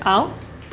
iya saya keluar